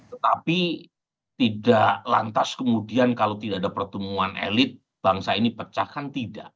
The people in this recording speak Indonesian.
tetapi tidak lantas kemudian kalau tidak ada pertemuan elit bangsa ini pecahkan tidak